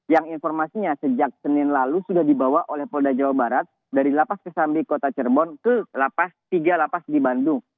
yang informasinya sejak senin lalu sudah dibawa oleh polda jawa barat dari lapas ke sambi kota cirebon ke tiga lapas di bandung